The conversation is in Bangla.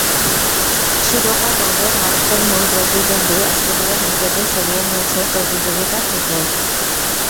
শিরোপা দৌড়ে ভারতের মূল প্রতিদ্বন্দ্বী অস্ট্রেলিয়া নিজেদের সরিয়ে নিয়েছে প্রতিযোগিতা থেকে।